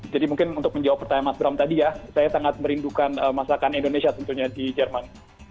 jadi mungkin untuk menjawab pertanyaan mas bram tadi ya saya sangat merindukan masakan indonesia tentunya di jerman